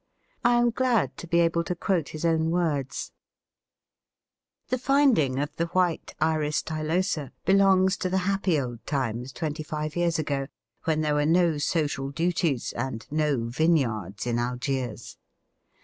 I am glad to be able to quote his own words: "The finding of the white Iris stylosa belongs to the happy old times twenty five years ago, when there were no social duties and no vineyards in Algiers.